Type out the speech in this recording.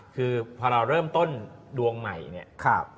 คือพอเราเริ่มต้นดวงใหม่เนี่ย